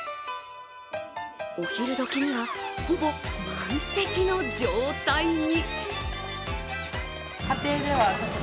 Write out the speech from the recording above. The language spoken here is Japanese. お昼どきには、ほぼ満席の状態に。